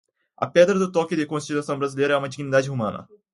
A pedra de toque de Constituição brasileira é a dignidade humana.